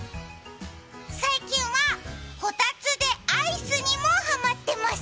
最近はこたつでアイスにもハマってます。